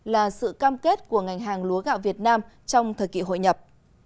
là sự cam kết của ngành hàng lúa gạo việt nam trong thời kỳ hội nhập